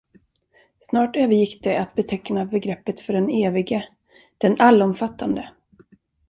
Snart övergick det att beteckna begreppet för den Evige, den Allomfattande.